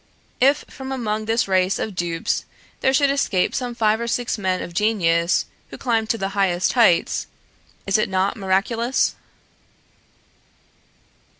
If from among this race of dupes there should escape some five or six men of genius who climb the highest heights, is it not miraculous?